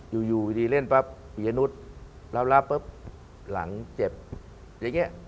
อยู่ดีเล่นปั๊บปียนุษย์รับปุ๊บหลังเจ็บอย่างนี้